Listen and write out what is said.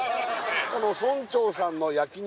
この村長さんの焼肉